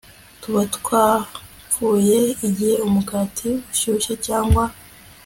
tuba twapfuye Igihe umugati ushyushye cyangwa